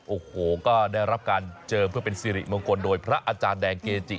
โอ้โหก็ได้รับการเจิมเพื่อเป็นสิริมงคลโดยพระอาจารย์แดงเกจิ